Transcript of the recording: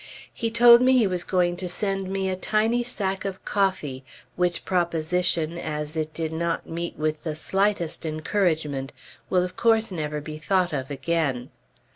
He told me he was going to send me a tiny sack of coffee, which proposition, as it did not meet with the slightest encouragement, will of course never be thought of again.